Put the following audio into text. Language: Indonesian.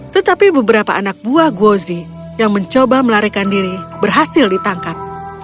tetapi beberapa anak buah gozi yang mencoba melarikan diri berhasil ditangkap